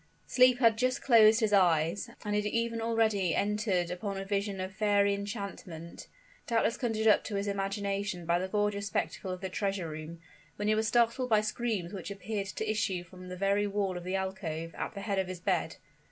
Sleep had just closed his eyelids, and he had even already entered upon a vision of fairy enchantment, doubtless conjured up to his imagination by the gorgeous spectacle of the treasure room, when he was startled by screams which appeared to issue from the very wall of the alcove, at the head of his bed.